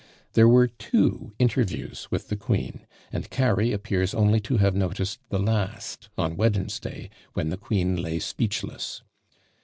There were two interviews with the queen, and Cary appears only to have noticed the last on Wednesday, when the queen lay speechless.